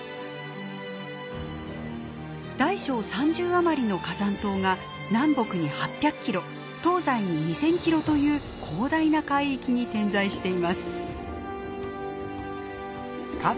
大小３０余りの火山島が南北に８００キロ東西に２，０００キロという広大な海域に点在しています。